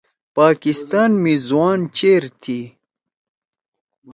پاکستان می زُوان چیر تھی۔